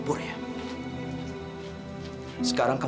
terima kasih web